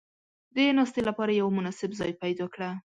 • د ناستې لپاره یو مناسب ځای پیدا کړه.